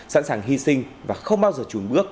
sẵn sàng hy sinh và không bao giờ trùn bước